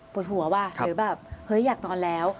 ปวดหัวหรืออยากนอนแล้ว